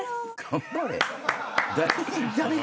「頑張れ」？